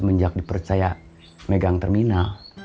menurut akang gimana